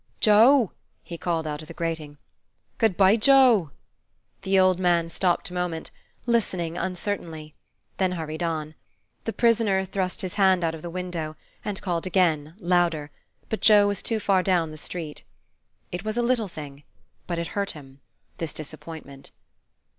"Joe!" he called, out of the grating. "Good bye, Joe!" The old man stopped a moment, listening uncertainly; then hurried on. The prisoner thrust his hand out of the window, and called again, louder; but Joe was too far down the street. It was a little thing; but it hurt him, this disappointment.